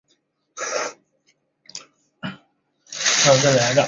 大丹拖车公司建造了一个新的厂房。